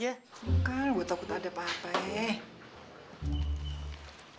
enggak gue takut ada apa apa ya